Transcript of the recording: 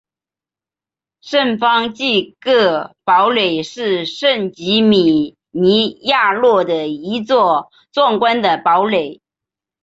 圣方济各堡垒是圣吉米尼亚诺的一座壮观的堡垒。